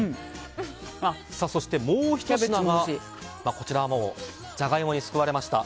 そして、もうひと品がこちらはジャガイモに救われました